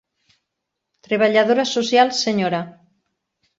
Treballadora social Sra.